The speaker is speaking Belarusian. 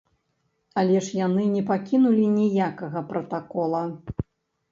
Але ж яны не пакінулі ніякага пратакола.